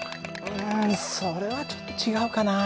うんそれはちょっと違うかな。